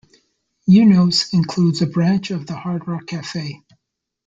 Ueno's includes a branch of the Hard Rock Cafe.